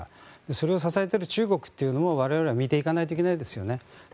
それを支えている中国というのも我々は見ていかないといけないですよね。